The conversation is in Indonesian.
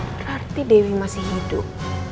berarti dewi masih hidup